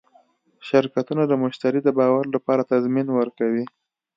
شرکتونه د مشتری د باور لپاره تضمین ورکوي.